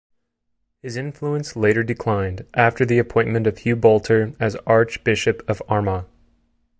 His influence later declined after the appointment of Hugh Boulter as Archbishop of Armagh.